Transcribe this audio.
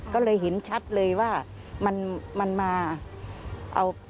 ก็เลยเห็นชัดเลยว่ามันมันมาเอา